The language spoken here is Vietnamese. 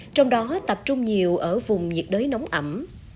trong đó tập trung nhiều ở vùng nhiệt đới nóng ẩm